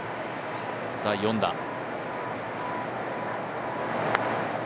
第４打。